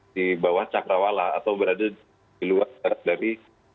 di bawah cakrawala atau berada di luar dari